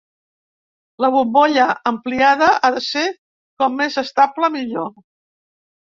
La bombolla ampliada ha de ser com més estable millor.